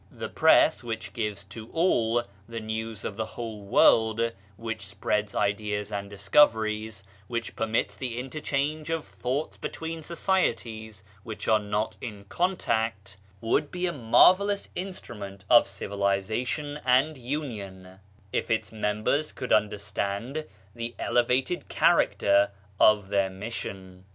The Press— which gives BAHAISM AND SOCIETY 149 to all the news of the whole world, which spreads ideas and discoveries, which per mits the interchange of thoughts between societies which are not in contact — would be a marvellous instrument of civilisation and union if its members could understand the elevated character of their mission.